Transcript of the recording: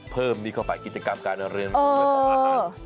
เพิ่มมีเข้าไปกิจกรรมการเรื่องของอาหาร